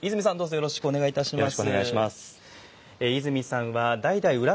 よろしくお願いします。